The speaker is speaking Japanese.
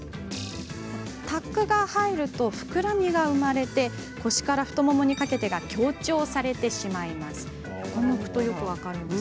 タックが入ると膨らみが生まれ腰から太ももにかけて強調されてしまいます。